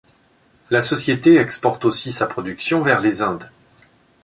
La société exporte aussi sa production vers les Indes.